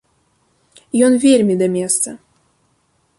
Ён вельмі да месца!